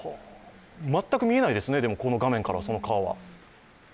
全く見えないですね、この画面からその川は。